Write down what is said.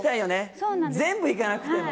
全部行かなくても。